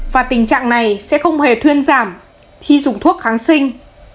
và tình trạng này sẽ không hề thuyên giảm khi dùng thuốc kháng sinh